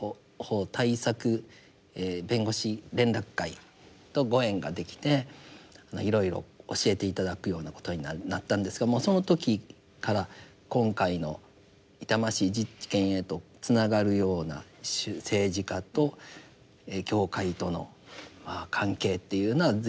弁護士連絡会とご縁ができていろいろ教えて頂くようなことになったんですがもうその時から今回の痛ましい事件へとつながるような政治家と教会との関係っていうのは随分議論をされておりました。